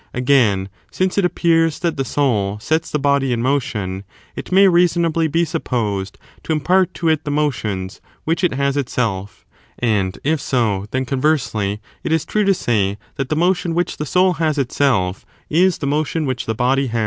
Again, since it appears that the soul sets the body in motion, 6 it may reasonably be supposed to impart to it the motions which it has itself: and, if so, then conversely it is true to say that the motion which the soul has itself is the motion which the body 28.